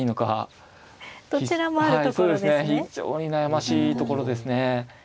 非常に悩ましいところですね。